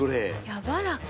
やわらか。